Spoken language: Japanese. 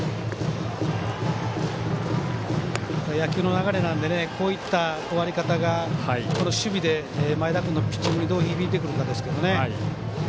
野球の流れなのでこういった終わり方が守備で前田君のピッチングにどう響いてくるかですけどね。